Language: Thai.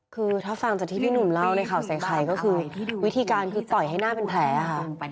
คือถ้าฟังจากที่พี่หนุ่มเล่าในข่าวใส่ไข่ก็คือวิธีการคือต่อยให้หน้าเป็นแผลค่ะ